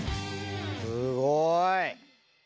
すごい！